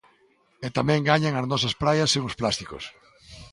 E tamén gañan as nosas praias sen os plásticos.